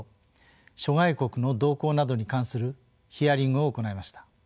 諸外国の動向などに関するヒアリングを行いました。